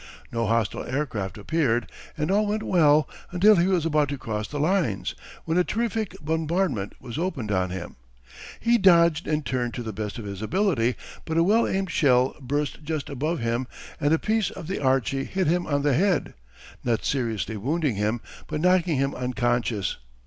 No hostile aircraft appeared and all went well until he was about to cross the lines, when a terrific bombardment was opened on him. He dodged and turned to the best of his ability, but a well aimed shell burst just above him and a piece of the "Archie" hit him on the head, not seriously wounding him, but knocking him unconscious.